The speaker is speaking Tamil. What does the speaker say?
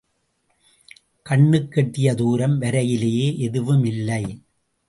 கண்ணுக்கெட்டிய தூரம் வரையிலே எதுவும் இல்லை.